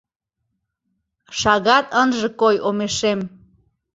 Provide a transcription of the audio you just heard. Шагат ынже кой омешем.